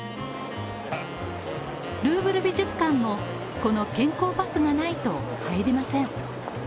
ルーブル美術館もこの健康パスがないと入れません。